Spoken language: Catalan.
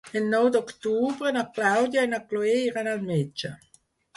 El nou d'octubre na Clàudia i na Cloè iran al metge.